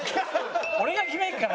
俺が決めるから。